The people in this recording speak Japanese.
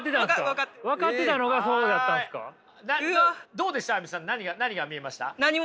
どうでしたＡＹＵＭＩさん何が見えました？